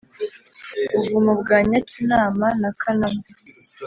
buvumo bwa nyakinama na kanama